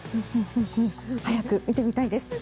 早く見てみたいです。